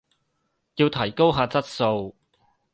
要提高下質素